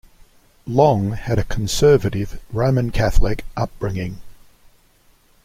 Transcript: Long had a conservative Roman Catholic upbringing.